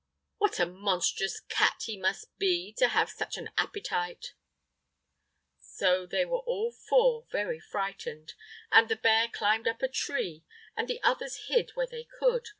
What a monstrous cat he must be to have such an appetite!" So they were all four very frightened, and the bear climbed up a tree, and the others hid where they could.